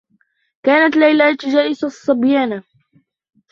كانت ليلى تجالس الصّبيان.